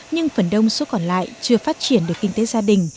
nhưng phần đông số còn lại chưa phát triển được kinh tế gia đình